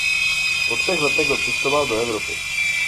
Po třech letech odcestoval do Evropy.